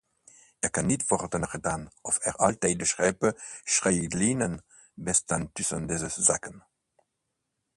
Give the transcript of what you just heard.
Er kan niet worden gedaan of er altijd scherpe scheidslijnen bestaan tussen deze zaken.